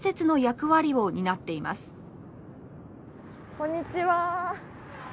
こんにちは。